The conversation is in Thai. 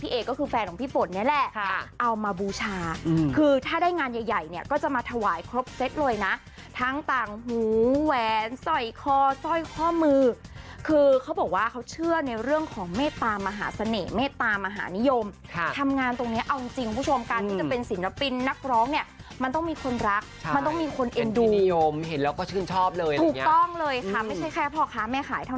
พี่เอกก็คือแฟนของพี่ปนเนี่ยแหละเอามาบูชาคือถ้าได้งานใหญ่เนี่ยก็จะมาถวายครบเซ็ตเลยนะทั้งต่างหูแหวนสอยคอส้อยข้อมือคือเขาบอกว่าเขาเชื่อในเรื่องของเมตตามหาเสน่ห์เมตตามหานิยมทำงานตรงนี้เอาจริงคุณผู้ชมการที่จะเป็นศิลปินนักร้องเนี่ยมันต้องมีคนรักมันต้องมีคนเอ็นดูเห็นแล้วก็ชื่นชอบเลย